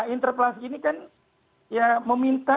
interpelasi ini kan meminta